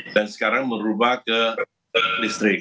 dan sekarang merubah ke listrik